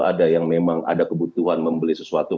ada yang memang ada kebutuhan membeli sesuatu